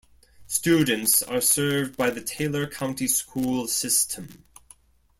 Students are served by the Taylor County School System.